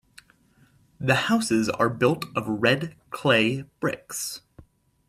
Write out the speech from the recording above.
The houses are built of red clay bricks.